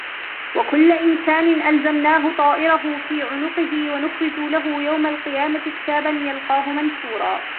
وَكُلَّ إِنْسَانٍ أَلْزَمْنَاهُ طَائِرَهُ فِي عُنُقِهِ وَنُخْرِجُ لَهُ يَوْمَ الْقِيَامَةِ كِتَابًا يَلْقَاهُ مَنْشُورًا